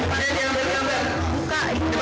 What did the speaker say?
ekspresinya seperti apa